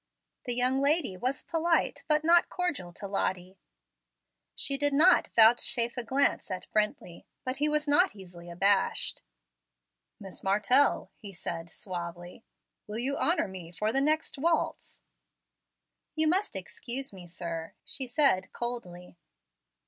The young lady was polite, but not cordial, to Lottie; she did not vouchsafe a glance to Brently. But he was not easily abashed. "Miss Martell," he said suavely, "will you honor me for the next waltz?" "You must excuse me, sir," she said coldly.